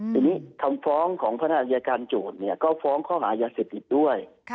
ทีนี้คำฟ้องของพนักอายการโจทย์ก็ฟ้องข้อหายาเสพติดด้วย